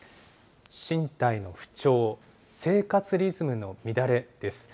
身体の不調、生活リズムの乱れです。